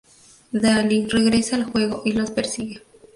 Daly regresa al juego y los persigue.